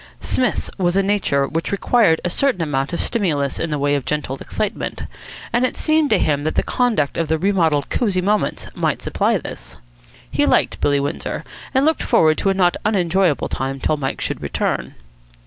Psmith's was a nature which required a certain amount of stimulus in the way of gentle excitement; and it seemed to him that the conduct of the remodelled Cosy Moments might supply this. He liked Billy Windsor, and looked forward to a not unenjoyable time till Mike should return.